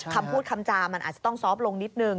คำพูดคำจามันอาจจะต้องซอฟต์ลงนิดนึง